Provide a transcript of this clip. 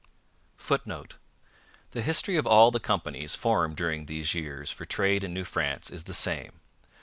[Footnote: The history of all the companies formed during these years for trade in New France is the same.